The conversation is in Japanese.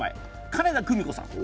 金田久美子さん。